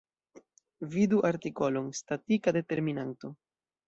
Vidu artikolon: statika determinanto.